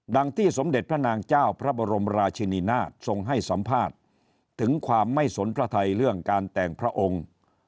ที่สมเด็จพระนางเจ้าพระบรมราชินินาศทรงให้สัมภาษณ์ถึงความไม่สนพระไทยเรื่องการแต่งพระองค์